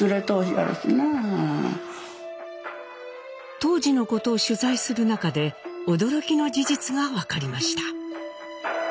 当時のことを取材する中で驚きの事実が分かりました。